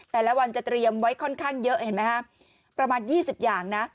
แต่ละวันจะเตรียมไว้ค่อนข้างเยอะเห็นไหมฮะประมาณ๒๐อย่างนะ